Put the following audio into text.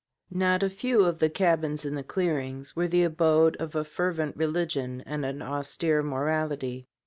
Not a few of the cabins in the clearings were the abode of a fervent religion and an austere morality.